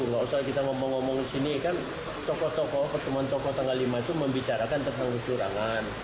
nggak usah kita ngomong ngomong sini kan tokoh tokoh pertemuan tokoh tanggal lima itu membicarakan tentang kecurangan